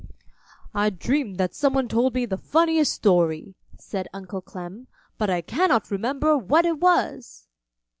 "I dreamed that some one told me the funniest story!" said Uncle Clem; "But I cannot remember what it was!"